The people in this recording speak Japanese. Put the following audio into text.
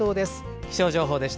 気象情報でした。